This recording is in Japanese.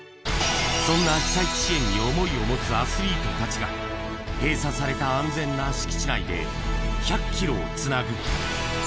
そんな被災地支援に思いをもつアスリートたちが閉鎖された安全な敷地内で１００ｋｍをつなぐ。